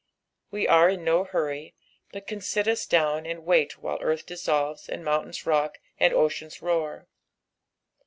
We are in no hurry, but can sit us down and wait while «artb diasolves, and moun taina rook, and oceans roar.